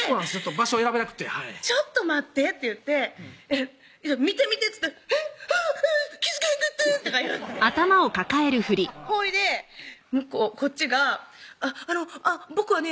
場所を選べなくて「ちょっと待って」って言って「見て見て」っつったら「えっあぁ！気付けへんかった」とか言ってまぁまぁほいでこっちが「あの僕はね